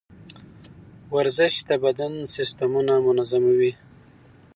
ورزش د بدن سیستمونه منظموي.